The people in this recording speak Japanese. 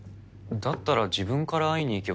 だったら自分から会いに行けばいいのに。